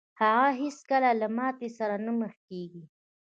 هغه هېڅکله له ماتې سره نه مخ کېږي.